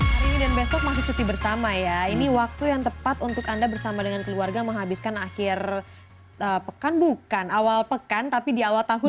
hari ini dan besok masih cuti bersama ya ini waktu yang tepat untuk anda bersama dengan keluarga menghabiskan akhir pekan bukan awal pekan tapi di awal tahun